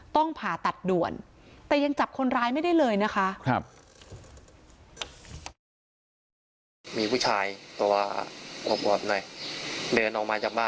ผ่าตัดด่วนแต่ยังจับคนร้ายไม่ได้เลยนะคะ